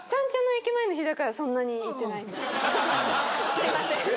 すいません。